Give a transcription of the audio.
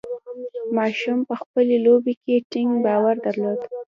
ماشوم په خپلې لوبې کې ټینګ باور درلود.